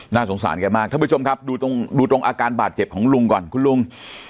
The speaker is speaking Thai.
สงสารแกมากท่านผู้ชมครับดูตรงดูตรงอาการบาดเจ็บของลุงก่อนคุณลุง